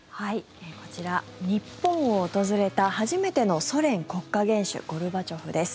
こちら、日本を訪れた初めてのソ連国家元首ゴルバチョフです。